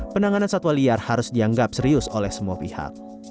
penanganan satwa liar harus dianggap serius oleh semua pihak